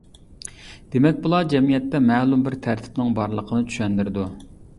دېمەك، بۇلار جەمئىيەتتە مەلۇم بىر تەرتىپنىڭ بارلىقىنى چۈشەندۈرىدۇ.